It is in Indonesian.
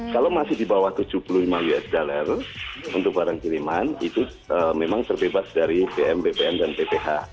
kalau masih di bawah tujuh puluh lima usd untuk barang kiriman itu memang terbebas dari pm bpn dan pph